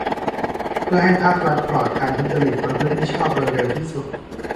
เพื่อให้ภาครัฐปลอดการทุจริต ประพฤติมิชอบโดยเร็วที่สุด